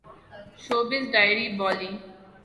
showbiz diary Bali